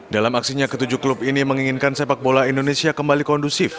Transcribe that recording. dalam aksinya ketujuh klub ini menginginkan sepak bola indonesia kembali kondusif